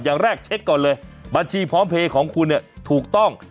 อย่างแรกเช็กก่อนเลยบัญชีพร้อมเทของคุณถูกต้อง